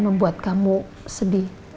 membuat kamu sedih